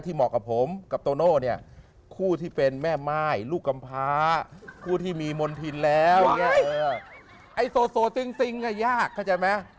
ที่เหมาะกับผมกับโตโน่เนี่ยคู่ที่เป็นแม่ไม้ลูกกำพาคู่ที่มีมนต์พินแล้วไอ้โสโสจริงอะยากเข้าใจไหม